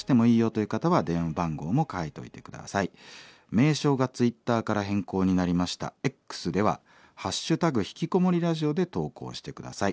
名称がＴｗｉｔｔｅｒから変更になりましたＸでは「＃ひきこもりラジオ」で投稿して下さい。